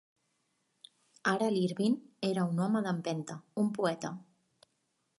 Ara l'Irvine era un home d'empenta, un poeta.